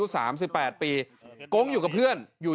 สิงหาสิงหอส